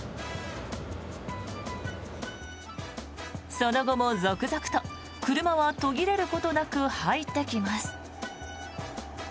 その後も続々と車は途切れることなく入ってきます。